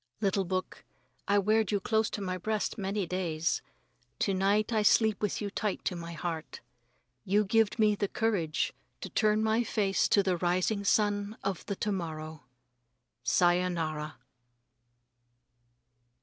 Little book, I weared you close to my breast many days. To night I sleep with you tight to my heart. You gived me the courage to turn my face to the rising sun of the to morrow. _Sayonara.